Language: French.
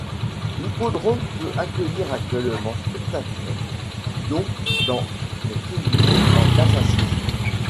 L'hippodrome peut accueillir actuellement spectateurs dont dans les tribunes en place assises.